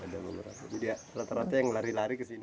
jadi rata rata yang lari lari ke sini